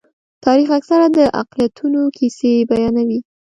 تاریخ اکثره د اقلیتونو کیسې بیانوي.